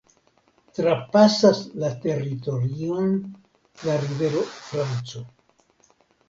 Trapasas la teritorion la rivero Franco.